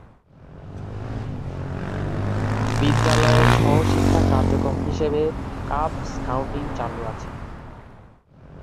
বিদ্যালয়ে সহশিক্ষা কার্যক্রম হিসেবে কাব স্কাউটিং চালু আছে।